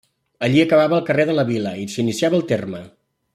Allí acabava el carrer de la Vila i s'iniciava el terme.